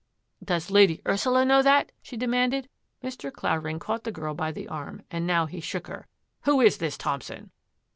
" Does Lady Ursula know that? " she demanded. Mr. Clavering caught the girl by the arm and now he shook her. " Who is this Thompson?